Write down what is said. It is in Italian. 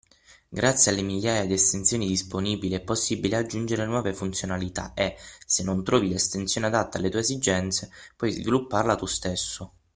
Grazie alle migliaia di estensioni disponibili è possibile aggiungere nuove funzionalità e, se non trovi l'estensione adatta alle tue esigenze, puoi svilupparla tu stesso.